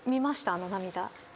あの涙。